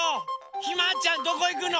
ひまちゃんどこいくの？